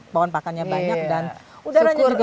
pohon pakannya banyak dan udaranya juga